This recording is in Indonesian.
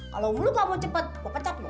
kalau lo gak mau cepat gue pecat lo